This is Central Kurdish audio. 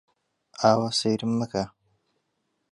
ئاوا سەیرم مەکە!